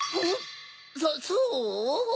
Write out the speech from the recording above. そう？